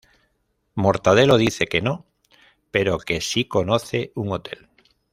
Mortadelo dice que no, pero que sí conoce un hotel.